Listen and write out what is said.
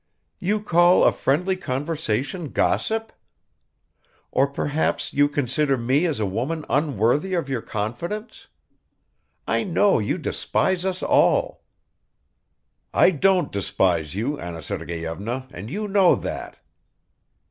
"You call a friendly conversation gossip! Or perhaps you consider me as a woman unworthy of your confidence? I know you despise us all!" "I don't despise you, Anna Sergeyevna, and you know that."